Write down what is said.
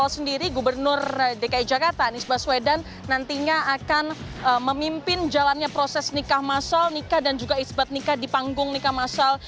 sendiri gubernur dki jakarta anies baswedan nantinya akan memimpin jalannya proses nikah masal nikah dan juga isbat nikah di panggung nikah masal